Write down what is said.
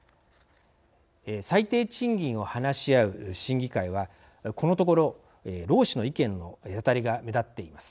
最低賃金を話し合う審議会はこのところ労使の意見の隔たりが目立っています。